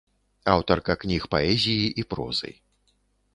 Аўтарка кніг паэзіі і прозы.